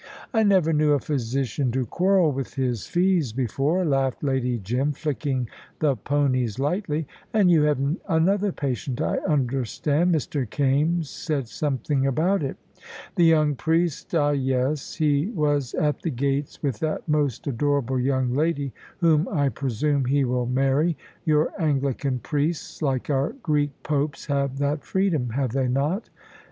"I never knew a physician to quarrel with his fees before," laughed Lady Jim, flicking the ponies lightly; "and you have another patient, I understand Mr. Kaimes said something about it." "The young priest ah, yes. He was at the gates with that most adorable young lady, whom I presume he will marry. Your Anglican priests, like our Greek popes, have that freedom, have they not?"